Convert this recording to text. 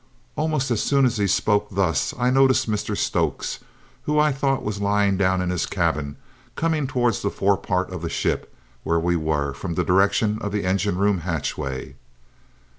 Almost as soon as he spoke thus I noticed Mr Stokes, who I thought was lying down in his cabin, coming towards the forepart of the ship where we were, from the direction of the engine room hatchway.